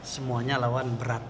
semuanya lawan berat